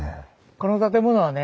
この建物はね